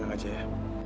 dengan aja ya